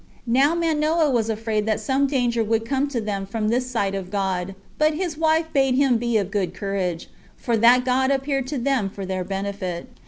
Now Manoah was afraid that some danger would come to them from this sight of God; but his wife bade him be of good courage, for that God appeared to them for their benefit.